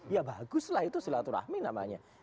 ya baguslah itu silaturahmi namanya